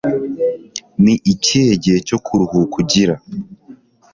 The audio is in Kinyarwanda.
Ni ikihe gihe cyo kuruhuka ugira?